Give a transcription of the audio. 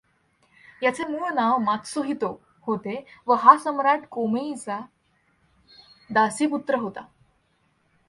याचे मूळ नाव मात्सुहितो होते व हा सम्राट कोमेइचा दासीपुत्र होता.